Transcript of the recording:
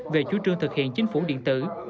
về chú trương thực hiện chính phủ điện tử